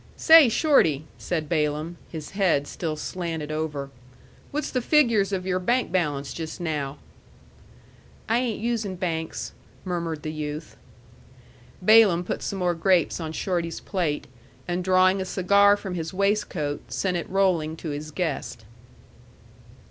"Say, Shorty," said Balaam, his head still slanted over, "what's the figures of your bank balance just now?" "I ain't usin' banks," murmured the youth. Balaam put some more grapes on Shorty's plate, and drawing a cigar from his waistcoat, sent it rolling to his guest.